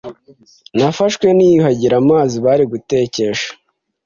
Nafashwe niyuhagira amazi bari gutekesha.